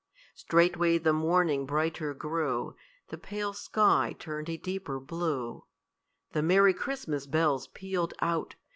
Straightway the morning brighter grew, The pale sky turned a deeper blue, The merry Christmas bells pealed out.